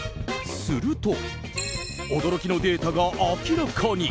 すると、驚きのデータが明らかに。